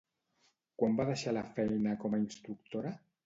Quan va deixar la feina com a instructora?